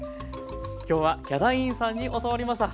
今日はヒャダインさんに教わりました。